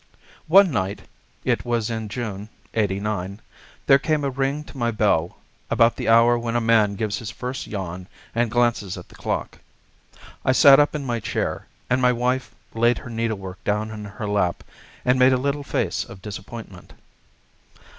One night—it was in June, '89—there came a ring to my bell, about the hour when a man gives his first yawn and glances at the clock. I sat up in my chair, and my wife laid her needle work down in her lap and made a little face of disappointment.